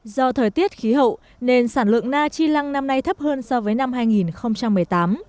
do thời tiết khí hậu nền sản lượng na chi lăng năm nay thấp hơn so với năm hai nghìn một mươi tám